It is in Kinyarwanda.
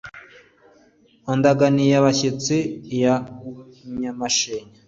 wa ndaganiy-abashyitsi ya nyamashema